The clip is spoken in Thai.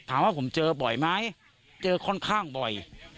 ถามว่าผมเจอบ่อยไหมเจอค่อนข้างบ่อย